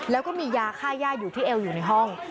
แล้วก็มียาค่าย่าอยู่ที่เอวอยู่ในห้อง